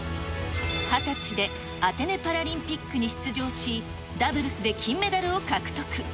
２０歳でアテネパラリンピックに出場し、ダブルスで金メダルを獲得。